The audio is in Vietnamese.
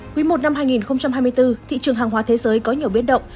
quý i năm hai nghìn hai mươi bốn thị trường hàng hóa thế giới có nhiều biến động